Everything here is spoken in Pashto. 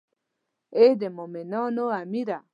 ای د مومنانو امیره.